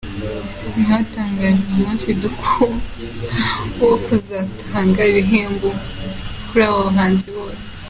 Ntihatangajwe umunsi ndakuka wo kuzatanga ibihembo kuri aba bahanzi bose .